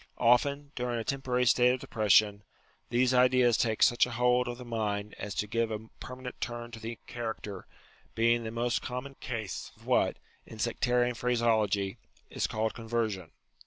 Often, during a temporary state of depres sion, these ideas take such a hold of the mind as to give a permanent turn to the character ; being the most common case of what, in sectarian phraseology, is called conversion.